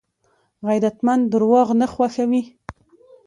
غیرتمند درواغ نه خوښوي